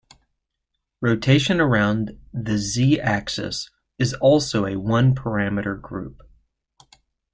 Rotation around the "z"-axis is also a one-parameter group.